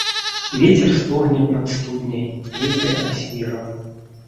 Вецер стогне над студняй, рыпае асверам.